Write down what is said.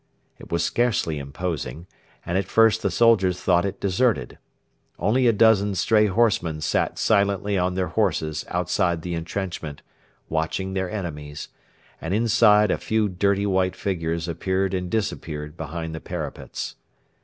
It was scarcely imposing, and at first the soldiers thought it deserted. Only a dozen stray horsemen sat silently on their horses outside the entrenchment, watching their enemies, and inside a few dirty white figures appeared and disappeared behind the parapets.